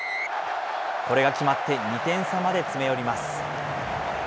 これが決まって２点差まで詰め寄ります。